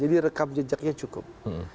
jadi rekam jejaknya cukup